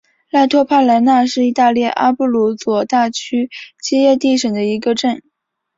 莱托帕莱纳是意大利阿布鲁佐大区基耶蒂省的一个镇。